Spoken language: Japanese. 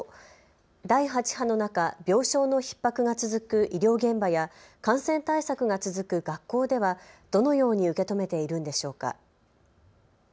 第８波の中、病床のひっ迫が続く医療現場や感染対策が続く学校ではどのように受け止めているのでしょうか。